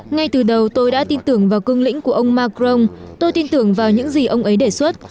ngay từ đầu tôi đã tin tưởng vào cương lĩnh của ông macron tôi tin tưởng vào những gì ông ấy đề xuất